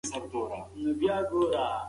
دا زموږ هدف دی.